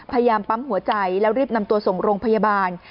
พยายามปั๊มหัวใจแล้วรีบนำตัวส่งโรงพยาบาล